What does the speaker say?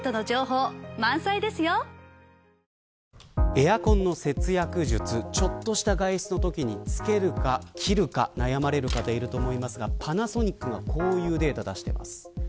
エアコンの節約術ちょっとした外出のときにつけるか切るか悩まれる方がいると思いますがパナソニックがこういうデータを出しています。